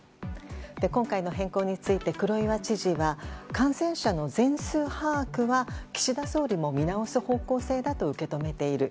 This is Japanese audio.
今回の変更について黒岩知事は感染者の全数把握は岸田総理も見直す方向性だと受け止めている。